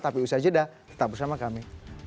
tapi usai jeda tetap bersama kami